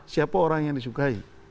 siapa orang yang disukai